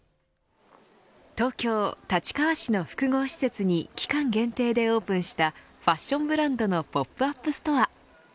東京、立川市の複合施設に期間限定でオープンしたファッションブランドのポップアップストア。